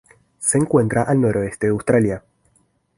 Se encuentran al noroeste de Australia.